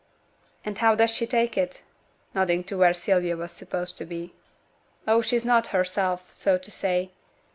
'And how does she take it?' nodding to where Sylvia was supposed to be. 'Oh! she's not herself, so to say.